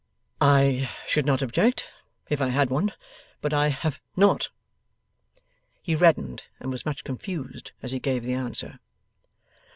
'I should not object, if I had one; but I have not.' He reddened and was much confused as he gave the answer.